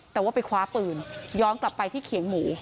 แต่ว่าไปคว้าปืนย้อนกลับไปที่เขียงหมู